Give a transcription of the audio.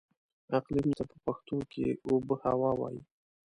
اقليم ته په پښتو کې اوبههوا وايي.